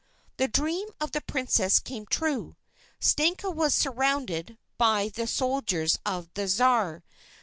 The dream of the princess came true. Stenka was surrounded by the soldiers of the Tsar.